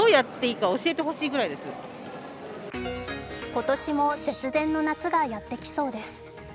今年も節電の夏がやってきそうです。